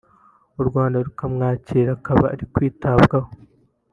u Rwanda rukamwakira akaba arimo kwitabwaho